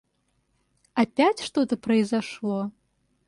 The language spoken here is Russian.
Опять что-то произошло!